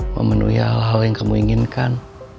memenuhi hal hal yang kamu inginkan